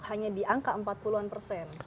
hanya di angka empat puluh an persen